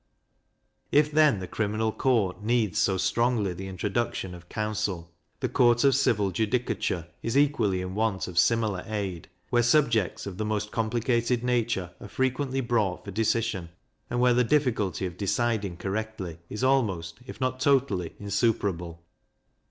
If then the criminal court needs so strongly the introduction of counsel, the court of civil judicature is equally in want of similar aid, where subjects of the most complicated nature are frequently brought for decision, and where the difficulty of deciding correctly is almost, if not totally, insuperable.